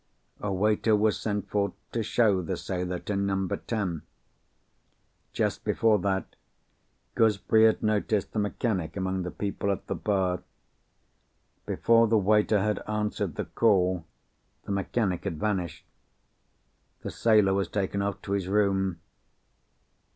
A waiter was sent for to show the sailor to Number Ten. Just before that, Gooseberry had noticed the mechanic among the people at the bar. Before the waiter had answered the call, the mechanic had vanished. The sailor was taken off to his room.